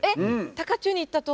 高中に行ったと？